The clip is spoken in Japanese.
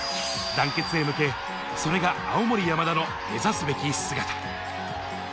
団結へ向け、それが青森山田の目指すべき姿。